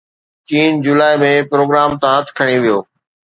چين جولاءِ ۾ پروگرام تان هٿ کڻي ويو